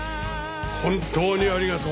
本当にありがとう。